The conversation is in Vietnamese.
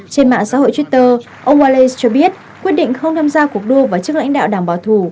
trên mạng xã hội twitter ông wallay cho biết quyết định không tham gia cuộc đua vào chức lãnh đạo đảng bảo thủ